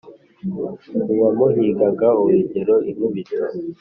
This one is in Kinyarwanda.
uwamuhigaga urugero inkubito